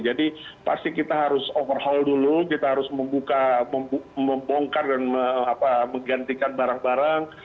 pasti kita harus overhaul dulu kita harus membuka membongkar dan menggantikan barang barang